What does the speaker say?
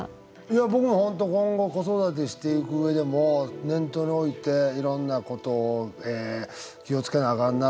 僕も本当今後子育てしていく上でも念頭に置いていろんなことを気を付けなあかんなとも思いますし。